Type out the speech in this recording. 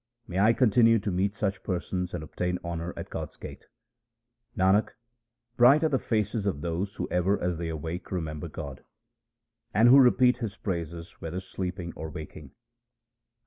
May I continue to meet such persons and obtain honour at God's gate ! Nanak, bright are the faces of those who ever as they awake remember God, And who repeat His praises whether sleeping or waking.